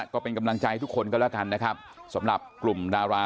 ก็เป็นกำลังใจทุกคนก็แล้วกันนะครับสำหรับกลุ่มดารา